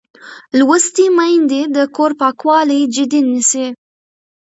لوستې میندې د کور پاکوالی جدي نیسي.